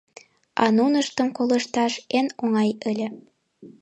А нуныштым колышташ эн оҥай ыле.